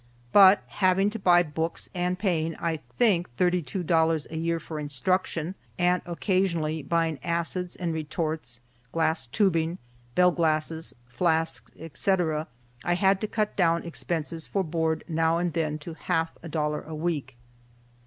But, having to buy books and paying, I think, thirty two dollars a year for instruction, and occasionally buying acids and retorts, glass tubing, bell glasses, flasks, etc., I had to cut down expenses for board now and then to half a dollar a week.